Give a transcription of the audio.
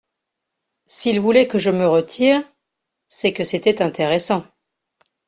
S’il voulait que je me retire, C’est que c’était intéressant !